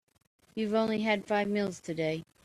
You've only had five meals today.